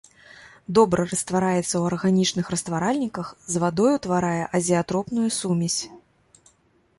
Добра раствараецца ў арганічных растваральніках, з вадой утварае азеатропную сумесь.